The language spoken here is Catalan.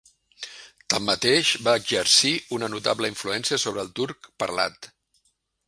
Tanmateix, va exercir una notable influència sobre el turc parlat.